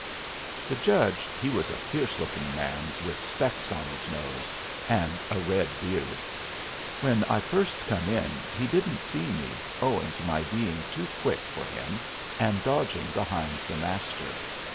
The judge he was a fierce looking man with specs on his nose, and a red beard. When I first come in he didn't see me, owing to my being too quick for him and dodging behind the Master.